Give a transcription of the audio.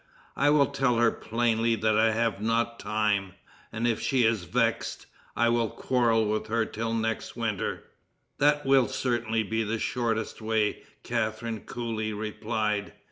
I will tell her plainly that I have not time, and, if she is vexed, I will quarrel with her till next winter." "That will certainly be the shortest way," Catharine coolly replied.